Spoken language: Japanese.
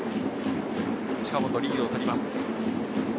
近本、リードをとります。